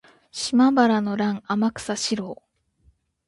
島原の乱の天草四郎